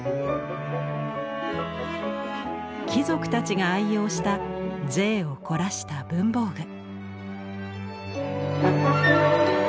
貴族たちが愛用した贅を凝らした文房具。